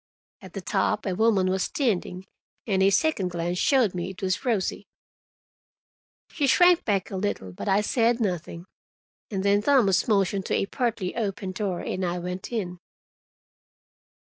At the top a woman was standing, and a second glance showed me it was Rosie. She shrank back a little, but I said nothing. And then Thomas motioned to a partly open door, and I went in.